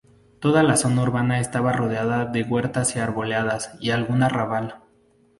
Toda la zona urbana estaba rodeada de huertas y arboledas y algún arrabal.